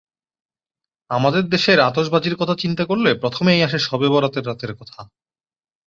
আমাদের দেশের আতশবাজির কথা চিন্তা করলে প্রথমেই আসে শবে বরাতের রাতের কথা।